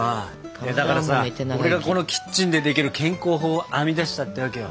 だからさ俺がこのキッチンでできる健康法を編み出したってわけよ。